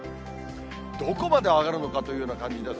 どこまで上がるのかというような感じです。